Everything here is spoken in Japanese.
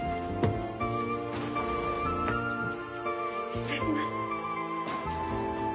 失礼します。